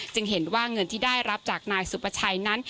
จึงเห็นว่าเงินที่ได้รับจากนายสุประชัยนั้น